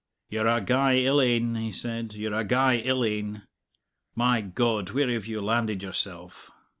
"You're a gey ill ane," he said; "you're a gey ill ane! My God, where have you landed yourself?"